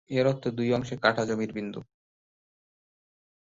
এর অর্থ "দুই অংশে কাটা জমির বিন্দু"।